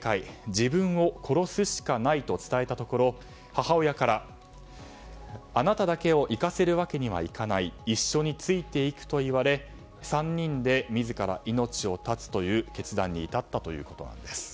自分を殺すしかないと伝えたところ母親から、あなただけを逝かせるわけにはいかない一緒についていくと言われ３人で自ら命を絶つという決断に至ったということなんです。